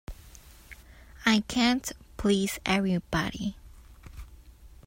I can't please everybody.